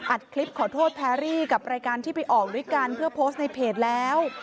คลิปขอโทษแพรรี่กับรายการที่ไปออกด้วยกันเพื่อโพสต์ในเพจแล้ว